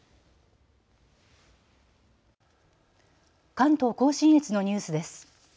関東甲信越のニュースです。